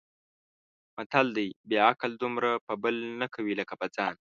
متل دی: بې عقل دومره په بل نه کوي لکه په ځان.